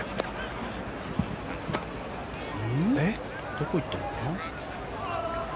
どこ行ったのかな？